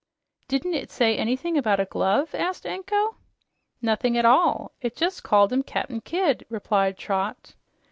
"Didn't it say anything about a glove?" asked Anko. "Nothing at all. It jus' called him Cap'n Kidd," replied Trot.